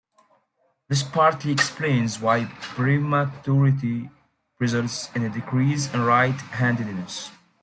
This partly explains why prematurity results in a decrease in right-handedness.